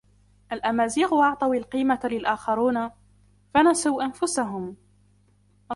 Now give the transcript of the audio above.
الامازيغ أعطو القيمة للاخرون، فنسو انفسهم!